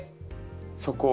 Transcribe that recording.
そこを。